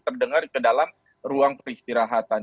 terdengar ke dalam ruang peristirahatan